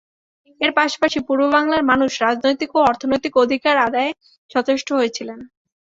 এর পাশাপাশি পূর্ব বাংলার মানুষ রাজনৈতিক ও অর্থনৈতিক অধিকার আদায়ে সচেষ্ট হয়েছিলেন।